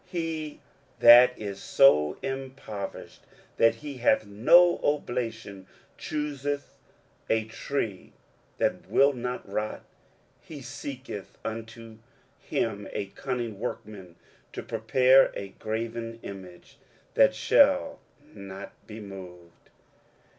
23:040:020 He that is so impoverished that he hath no oblation chooseth a tree that will not rot; he seeketh unto him a cunning workman to prepare a graven image, that shall not be moved.